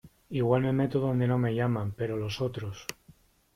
igual me meto donde no me llaman, pero los otros